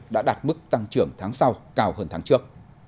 đã đạt mức tăng trưởng tháng sau cao hơn tháng trước